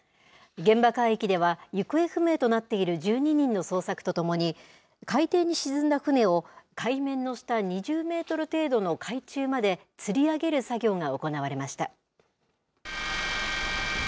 現場海域では、行方不明となっている１２人の捜索とともに、海底に沈んだ船を海面の下２０メートル程度の海中までつり上げる作業が行われました。